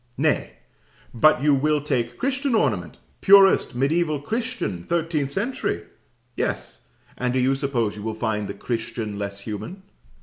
Nay, but you will take Christian ornament purest mediaeval Christian thirteenth century! Yes: and do you suppose you will find the Christian less human?